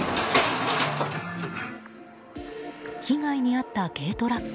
被害に遭った軽トラック。